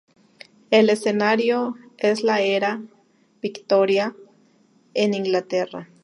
El escenario es la era victoriana en Inglaterra.